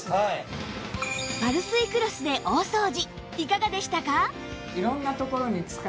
パルスイクロスで大掃除いかがでしたか？